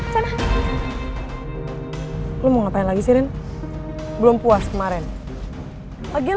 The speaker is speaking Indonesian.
cari gedung yang gede banget